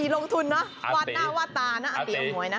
ลงทุนนะวัดน่าวาตารอตีอำหวย